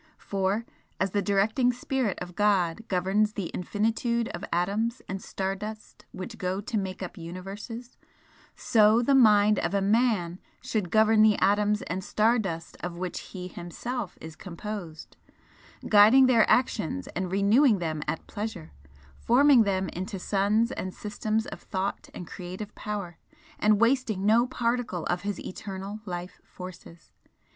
For, as the directing Spirit of God governs the infinitude of atoms and star dust which go to make up universes, so the mind of a Man should govern the atoms and star dust of which he himself is composed guiding their actions and renewing them at pleasure, forming them into suns and systems of thought and creative power, and wasting no particle of his eternal life forces.